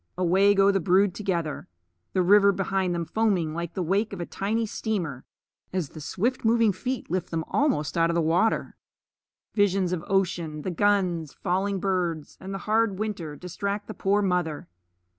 Away go the brood together, the river behind them foaming like the wake of a tiny steamer as the swift moving feet lift them almost out of water. Visions of ocean, the guns, falling birds, and the hard winter distract the poor mother.